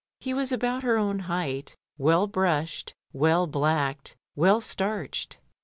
He was about her own height, well brushed, well blacked, well starched.